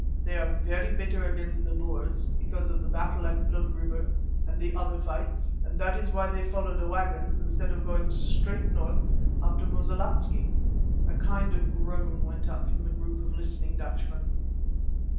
They are very bitter against the Boers, because of the battle at Blood River and the other fights, and that is why they followed the waggons instead of going straight north after Mosilikatze." A kind of groan went up from the group of listening Dutchmen.